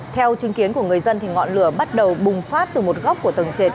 theo chứng kiến của người dân ngọn lửa bắt đầu bùng phát từ một góc của tầng trệt